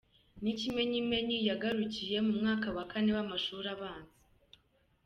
N’ikimenyimenyi, yagarukiye mu mwaka wa Kane w’amashuri abanza.